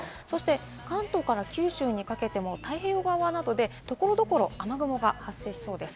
関東から九州にかけても太平洋側などで所々で雨雲が発生しそうです。